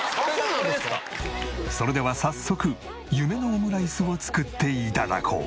それでは早速夢のオムライスを作って頂こう。